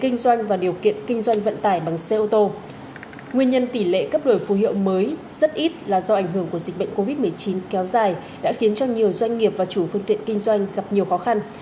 nguyên nhân tỷ lệ cấp đổi phù hiệu mới rất ít là do ảnh hưởng của dịch bệnh covid một mươi chín kéo dài đã khiến cho nhiều doanh nghiệp và chủ phương tiện kinh doanh gặp nhiều khó khăn